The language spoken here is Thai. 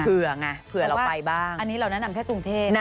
เผื่อไงปล่อยบ้างอันนี้เรานั้นถึงแค่กรุงเทศ